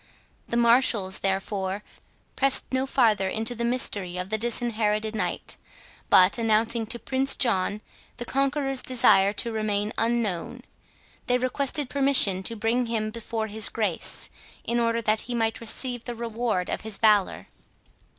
The marshals, therefore, pressed no farther into the mystery of the Disinherited Knight, but, announcing to Prince John the conqueror's desire to remain unknown, they requested permission to bring him before his Grace, in order that he might receive the reward of his valour.